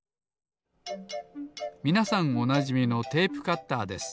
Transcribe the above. みなさんおなじみのテープカッターです。